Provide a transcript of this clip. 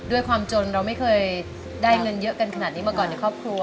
ด้วยความจนเราไม่เคยได้เงินเยอะกันขนาดนี้มาก่อนในครอบครัว